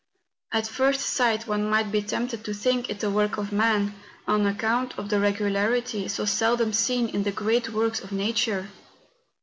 At first sight one might be tempted to think it a work of man, on account of the regularity so seldom seen in the great works of nature.